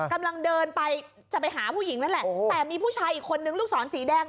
กำลังเดินไปจะไปหาผู้หญิงนั่นแหละแต่มีผู้ชายอีกคนนึงลูกศรสีแดง